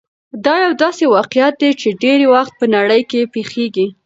دا يو داسې واقعيت دی چې ډېری وخت په نړۍ کې پېښېږي.